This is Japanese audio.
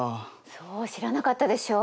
そう知らなかったでしょ？